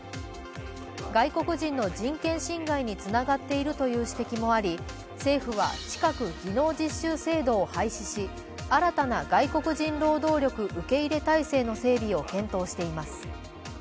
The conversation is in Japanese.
外国人の人権侵害につながっているという指摘もあり政府は近く技能実習制度を廃止し新たな外国人労働力受け入れ態勢の整備を検討しています。